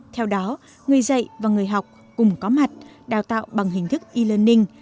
theo đó người dạy và người học cùng có mặt đào tạo bằng hình thức e learning